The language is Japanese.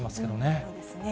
そうですね。